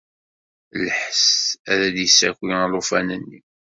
Lḥess-a ad d-yessaki alufan-nni.